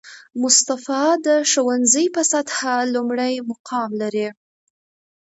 مصطفی د ښوونځي په سطحه لومړی مقام لري